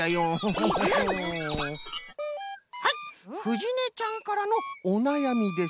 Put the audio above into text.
はいふじねちゃんからのおなやみです。